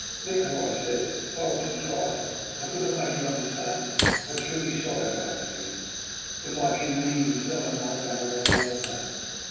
"Nikola," I said, "if I were to try I could not make you understand how truly sorry I am for you. The life you lead is so unlike that of any other man.